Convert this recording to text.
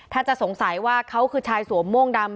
ถ้าจะสงสัยว่าเขาคือชายสวมม่วงดำ